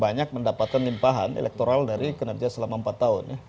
banyak mendapatkan limpahan elektoral dari kinerja selama empat tahun